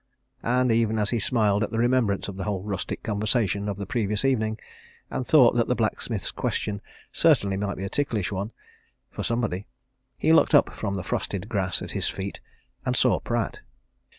And even as he smiled at the remembrance of the whole rustic conversation of the previous evening, and thought that the blacksmith's question certainly might be a ticklish one for somebody he looked up from the frosted grass at his feet, and saw Pratt.